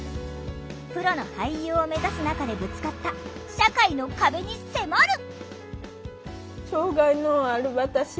プロの俳優を目指す中でぶつかった「社会の壁」に迫る。